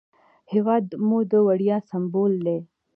هېواد مو د ویاړ سمبول دی